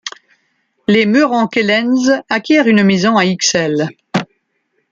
Les Meurant-Kellens acquièrent une maison à Ixelles.